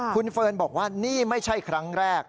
คุณเฟิร์นบอกว่านี่ไม่ใช่ครั้งแรก